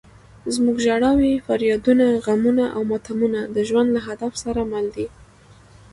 زموږ ژړاوې، فریادونه، غمونه او ماتمونه د ژوند له هدف سره مل دي.